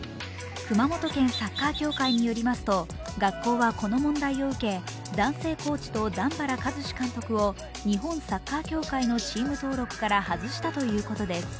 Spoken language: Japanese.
熊本県サッカー協会によりますと学校はこの問題を受け男性コーチと段原一詞監督を日本サッカー協会のチーム登録から外したということです。